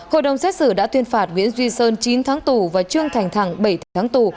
hội đồng xét xử đã tuyên phạt nguyễn duy sơn chín tháng tù và trương thành thẳng bảy tháng tù